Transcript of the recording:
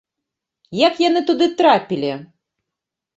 Як яны туды трапілі?